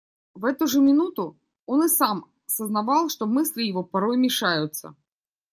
В эту же минуту он и сам сознавал, что мысли его порою мешаются.